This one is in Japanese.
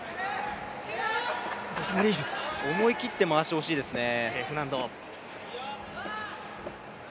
思い切って回してほしいですね。